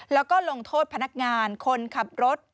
แล้วก็ลงโทษพนักงานคนขับรถ